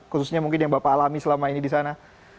khususnya mungkin yang bapak alami selama ini di sana